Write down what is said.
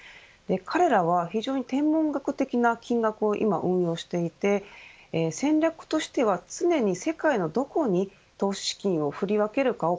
彼らは非常に天文学的な金額を運用していて戦略としては常に世界のどこに投資資金を振り分けるかを